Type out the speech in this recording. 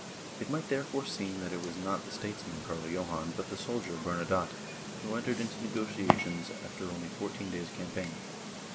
It might therefore seem that it was not the statesman, Carl Johan, but the soldier, Bernadotte, who entered into negotiations after only fourteen days' campaign.